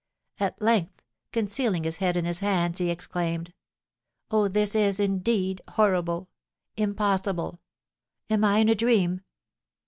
At length, concealing his head in his hands, he exclaimed, 'Oh, this is, indeed, horrible! impossible! Am I in a dream?'